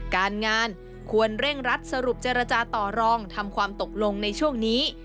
การงานควรเร่งรัดสรุปเจรจาต่อรองทำความตกลงในช่วงนี้